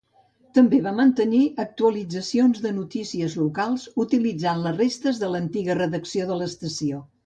També va mantenir actualitzacions de notícies locals, utilitzant les restes de l'antiga redacció de l'estació.